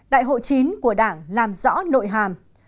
đại hội chín của đảng làm rõ nội hàm